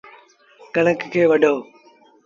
ڪڻڪ کي وڍو۔